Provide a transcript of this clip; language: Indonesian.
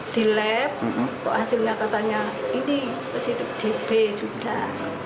di lab kok hasilnya katanya ini positif dpd sudah